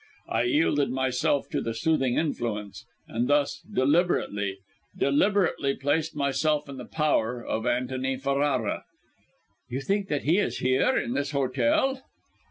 I yielded myself to the soothing influence, and thus deliberately deliberately placed myself in the power of Antony Ferrara " "You think that he is here, in this hotel?"